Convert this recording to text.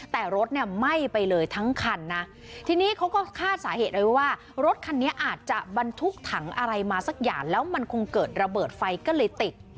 แต่รถเนี่ยไหม้ไปเลยทั้งคันนะทีนี้เขาก็คาดสาเหตุเอาไว้ว่ารถคันนี้อาจจะบรรทุกถังอะไรมาสักอย่างแล้วมันคงเกิดระเบิดไฟก็เลยติด